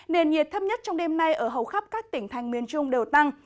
nền nhiệt thấp nhất trong đêm nay ở hầu khắp các tỉnh thành miền trung đều tăng